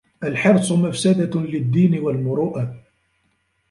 الْحِرْصُ مَفْسَدَةٌ لِلدِّينِ وَالْمُرُوءَةِ